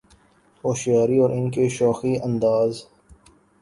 ہوشیاری اور ان کی شوخی انداز